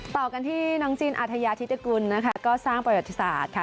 ต่อกันที่น้องจีนอาทยาธิตกุลนะคะก็สร้างประวัติศาสตร์ค่ะ